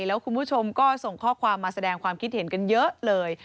แล้วคุณผู้ชมก็ส่งข้อความมาแสดงความคิดเห็นกันเยอะเลย